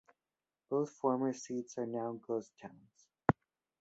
Both former seats are now ghost towns.